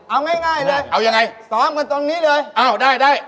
เอาง่ายเลยสอบกันตรงนี้เลยเอาได้